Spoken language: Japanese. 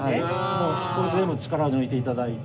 もう全部力抜いて頂いて。